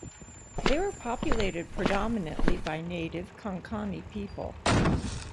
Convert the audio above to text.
They were populated predominantly by native Konkani people.